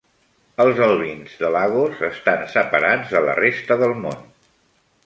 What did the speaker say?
Els albins de Lagos estan separats de la resta del món.